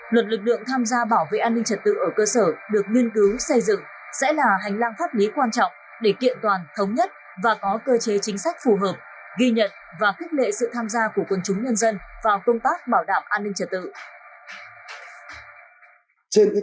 luật lực lượng tham gia bảo vệ an ninh trật tự ở cơ sở được nghiên cứu xây dựng sẽ là hành lang pháp lý quan trọng để kiện toàn thống nhất và có cơ chế chính sách phù hợp ghi nhận và khích lệ sự tham gia của quân chúng nhân dân vào công tác bảo đảm an ninh trật tự